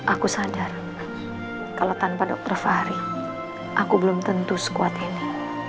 aku sadar kalau tanpa dokter fahri aku belum tentu sekuat ini